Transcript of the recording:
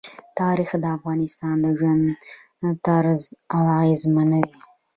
تاریخ د افغانانو د ژوند طرز اغېزمنوي.